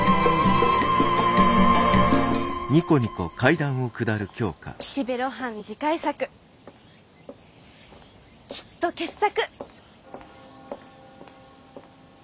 岸辺露伴次回作きっと傑作！